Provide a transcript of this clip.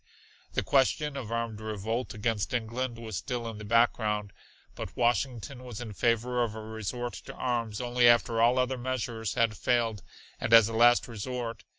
The question of armed revolt against England was still in the background, but Washington was in favor of a resort to arms only after all other measures had failed and as a last resort.